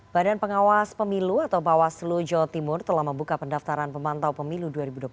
berkas pendaftaran pemantau pemilu dua ribu dua puluh empat